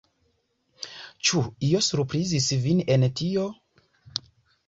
Ĉu io surprizis vin en tio?